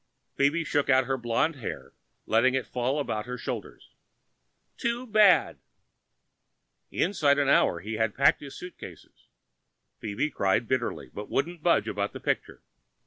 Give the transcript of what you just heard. Phoebe shook out her blonde hair, letting it fall about her shoulders. "Too bad." Inside of an hour he had packed his suitcases. Phoebe cried bitterly, but wouldn't budge about the picture. Henry took the plane.